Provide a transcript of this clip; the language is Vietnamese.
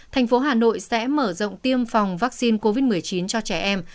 thành phố hà nội sẽ mở rộng tiêm phòng vaccine covid một mươi chín cho trẻ em